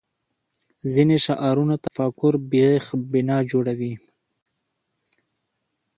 ځینې شعارونه تفکر بېخ بنا جوړوي